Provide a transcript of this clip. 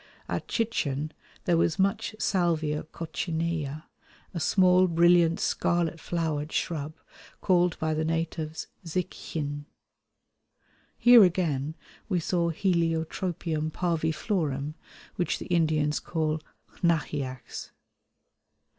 At Chichen there was much Salvia coccinea, a small brilliant scarlet flowered shrub called by the natives zic x̆in. Here again we saw Heliotropium parviflorum, which the Indians call xnaheax.